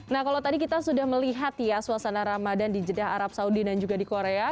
nah kalau tadi kita sudah melihat ya suasana ramadan di jeddah arab saudi dan juga di korea